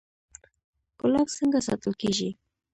ګلاب څنګه ساتل کیږي؟